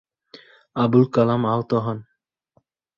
আবুল কালাম আহত হন।